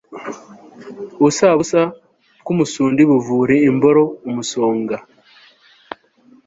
ubusabusa bw'umusundi buvura imboro umusonga